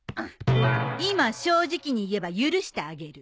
今正直に言えば許してあげる。